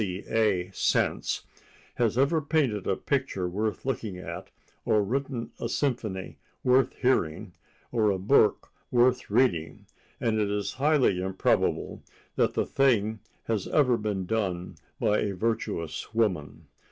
C. A. sense—has ever painted a picture worth looking at, or written a symphony worth hearing, or a book worth reading, and it is highly improbable that the thing has ever been done by a virtuous woman.